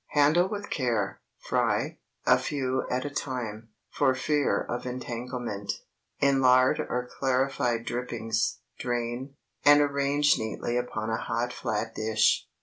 Handle with care, fry—a few at a time, for fear of entanglement—in lard or clarified drippings, drain, and arrange neatly upon a hot flat dish.